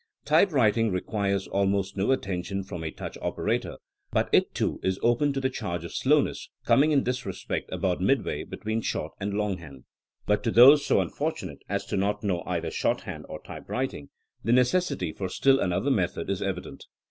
Typewriting requires al most no attention from a touch operator, but it too is open to the charge of slowness, coming in this respect about midway between short and longhand. But to those so unfortunate as not to know either shorthand or typewriting the necessity for still another method is evident.